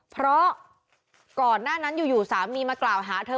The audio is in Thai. เพราะก่อนหน้านั้นอยู่สามีมากล่าวหาเธอ